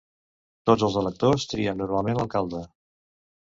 Tots els electors trien normalment l'alcalde.